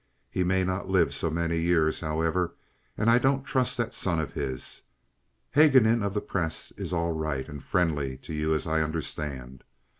He may not live so many years, however, and I don't trust that son of his. Haguenin, of the Press, is all right and friendly to you, as I understand.